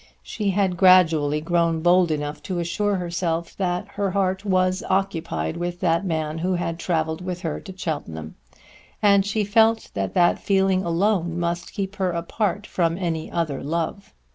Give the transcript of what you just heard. She had gradually grown bold enough to assure herself that her heart was occupied with that man who had travelled with her to Cheltenham; and she felt that that feeling alone must keep her apart from any other love.